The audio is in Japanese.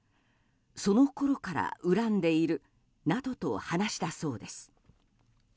そのころから恨んでいるなどと話したそうです。